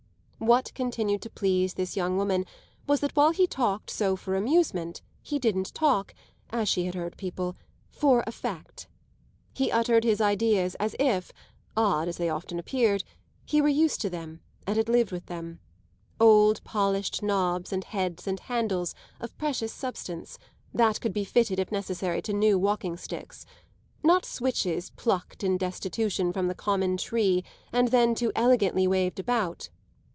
What continued to please this young woman was that while he talked so for amusement he didn't talk, as she had heard people, for "effect." He uttered his ideas as if, odd as they often appeared, he were used to them and had lived with them; old polished knobs and heads and handles, of precious substance, that could be fitted if necessary to new walking sticks not switches plucked in destitution from the common tree and then too elegantly waved about.